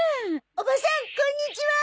おばさんこんにちは。